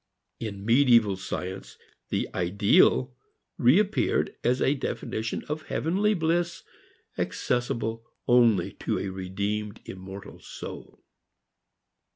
In medieval science, the ideal reappeared as a definition of heavenly bliss accessible only to a redeemed immortal soul.